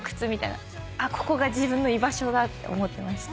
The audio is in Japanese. あっここが自分の居場所だって思ってました。